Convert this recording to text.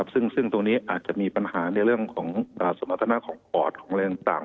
ซึ่งตรงนี้อาจจะมีปัญหาในเรื่องของสมรรถนะของปอดของอะไรต่าง